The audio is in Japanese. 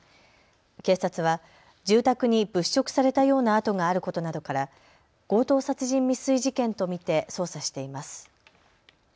警察は住宅に物色されたような跡があることなどから強盗殺人未遂事件と見て捜査しています。